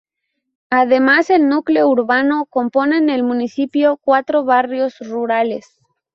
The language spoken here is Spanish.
Además del núcleo urbano componen el municipio cuatro barrios rurales.